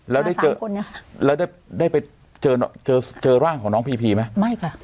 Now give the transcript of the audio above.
แล้วได้เจอคนนะคะแล้วได้ได้ไปเจอเจอร่างของน้องพีพีไหมไม่ค่ะ